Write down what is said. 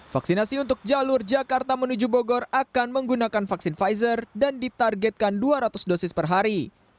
vaksinasi untuk jalur jakarta menuju bogor akan menggunakan vaksin pfizer dan ditargetkan dua ratus dosis per hari